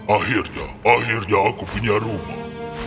akhirnya akhirnya aku punya rumah